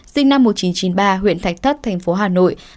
sinh năm một nghìn chín trăm chín mươi ba huyện thạch thất thành phố hà nội